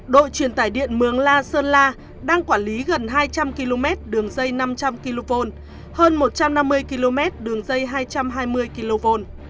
đội truyền tải điện mường la sơn la đang quản lý gần hai trăm linh km đường dây năm trăm linh kv hơn một trăm năm mươi km đường dây hai trăm hai mươi kv